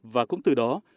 và cũng từ đó